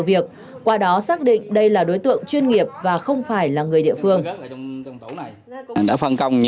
vụ trộm cắp tài sản